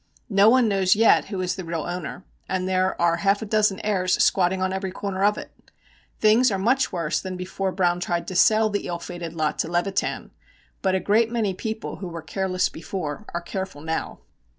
No one knows yet who is the real owner, and there are half a dozen heirs squatting on every corner of it. Things are much worse than before Browne tried to sell the ill fated lot to Levitan, but a great many people who were careless before are careful now.